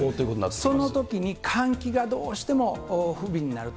そのときに、換気がどうしても不備になると。